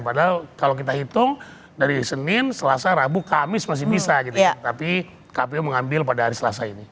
padahal kalau kita hitung dari senin selasa rabu kamis masih bisa gitu tapi kpu mengambil pada hari selasa ini